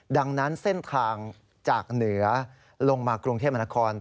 ดังนั้นเส้นทางจากเหนือลงมากรุงเทพมนาคม